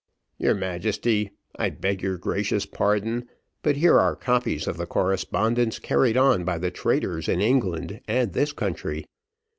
"Your Majesty, I beg your gracious pardon, but here are copies of the correspondence carried on by the traitors in England and this country.